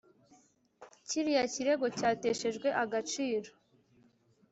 cyiriya cyirego cyateshejwe agaciro